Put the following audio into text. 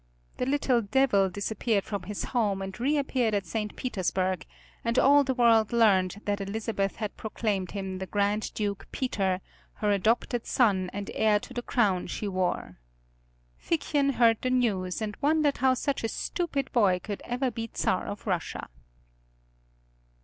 "The little devil" disappeared from his home and reappeared at St. Petersburg, and all the world learned that Elizabeth had proclaimed him the Grand Duke Peter, her adopted son and heir to the crown she wore. Figchen heard the news and wondered how such a stupid boy could ever be Czar of Russia.